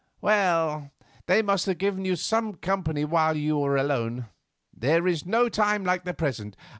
Well, they must have given you some company while you were alone. There is no time like the present.